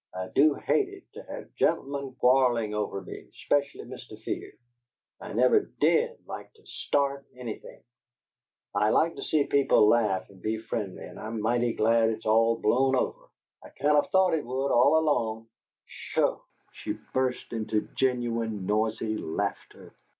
I do hate it to have gen'lemen quarrelling over me, especially Mr. Fear. I never DID like to START anything; I like to see people laugh and be friendly, and I'm mighty glad it's all blown over. I kind o' thought it would, all along. PSHO!" She burst into genuine, noisy laughter.